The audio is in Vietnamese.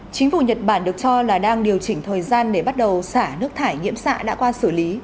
chính phủ nhật bản được cho là đang điều chỉnh thời gian để bắt đầu xả nước thải nhiễm xạ đã qua xử lý